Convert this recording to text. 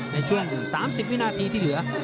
ในช่วง๓๐วินาทีที่เหลือ